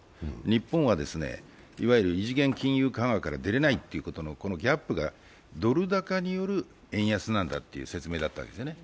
日本はいわゆる異次元金融緩和から出れないということで、このギャップがドル高による円安なんだという説明だったんですね。